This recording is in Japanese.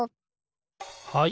はい。